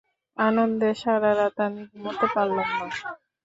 আনন্দে সারারাত আমি ঘুমুতে পারলাম না।